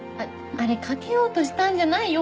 あれかけようとしたんじゃないよ